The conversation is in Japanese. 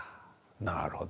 なるほど。